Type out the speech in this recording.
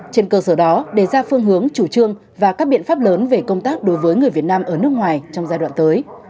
trên cơ sở đó đề ra phương hướng chủ trương và các biện pháp lớn về công tác đối với người việt nam ở nước ngoài trong giai đoạn tới